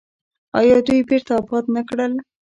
آیا دوی بیرته اباد نه کړل؟